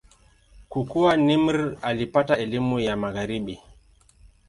Kukua, Nimr alipata elimu ya Magharibi.